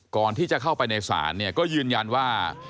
ก่อนที่จะเข้าไปในศาลเนี่ยก็ยืนยันว่า